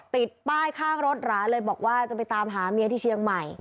ติดป้ายข้างรถร้านเลยบอกว่าจะไปตามหาเมียที่เชียงใหม่